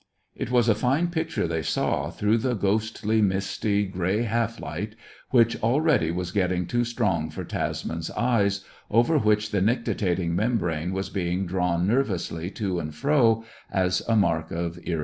It was a fine picture they saw through the ghostly, misty grey half light, which already was getting too strong for Tasman's eyes, over which the nictitating membrane was being drawn nervously to and fro as a mark of irritation.